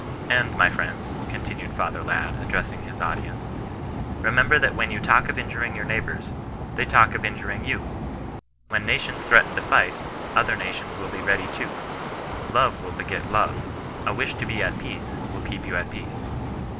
And, my friends (continued Father add, addressing his audience), remember that when you talk of injuring your neighbours, they talk of in juring you. When nations threaten to fight, other nations will be ready too. Love will beget love — a wish to be at peace will keep you at peace.